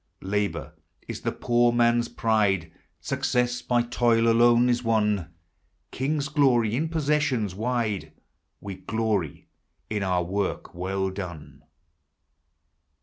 Labor is the poor man's pride, — Success by toil alone is won. Kings glory in possessions wide, — We gloiy in our work well done.